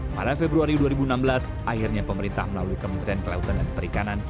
pada februari dua ribu enam belas akhirnya pemerintah melalui kementerian kelautan dan perikanan